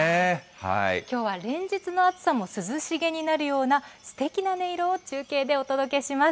きょうは連日の暑さも涼しげになるような、すてきな音色を中継でお届けします。